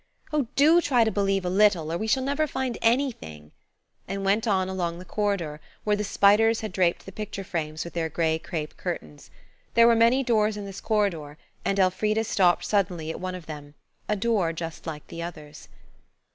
"Oh! do try to believe a little, or we shall never find anything," and went on along the corridor, where the spiders had draped the picture frames with their grey crape curtains. There were many doors in this corridor, and Elfrida stopped suddenly at one of them–a door just like the others.